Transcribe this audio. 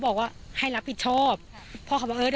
ก็กลายเป็นว่าติดต่อพี่น้องคู่นี้ไม่ได้เลยค่ะ